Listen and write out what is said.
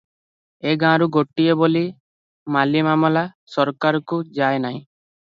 ଏ ଗାଁରୁ ଗୋଟାଏ ବୋଲି ମାଲିମାମଲା ସରକାରକୁ ଯାଏ ନାହିଁ ।